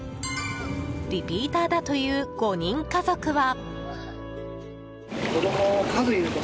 リピーターだという５人家族は。